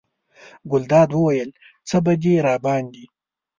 ګلداد وویل: څه به دې راباندې.